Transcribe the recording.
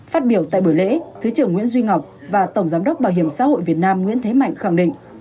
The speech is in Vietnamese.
phát biểu tại buổi lễ thứ trưởng nguyễn duy ngọc và tổng giám đốc bảo hiểm xã hội việt nam nguyễn thế mạnh khẳng định